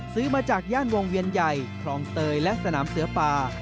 ซื้อมาจากย่านวงเวียนใหญ่คลองเตยและสนามเสือป่า